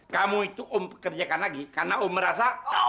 kamu itu om kerjakan lagi karena om merasa